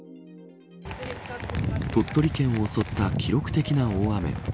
鳥取県を襲った記録的な大雨。